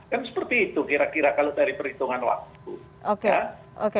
kan seperti itu kira kira kalau dari perhitungan waktu